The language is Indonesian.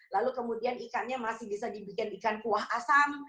lalu kemudian ikannya masih bisa dibikin ikan kuah asam